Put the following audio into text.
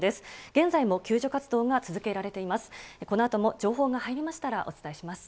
現在も救助活動が続けられています。